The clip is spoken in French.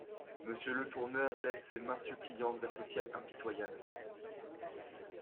Monsieur Letourneur élève ses mains suppliantes vers ce ciel impitoyable!